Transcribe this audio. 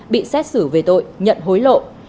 bị xét xử về tội nhận hối lộ